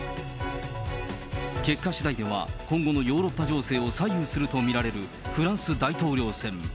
結果しだいでは、今後のヨーロッパ情勢を左右すると見られるフランス大統領選。